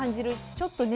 ちょっとね